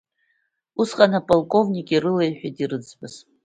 Усҟан, аполковник ирылеиҳәеит ирзыӡбаз…